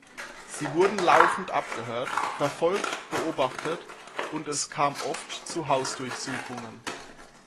Sie wurden laufend abgehört, verfolgt, beobachtet und es kam oft zu Hausdurchsuchungen.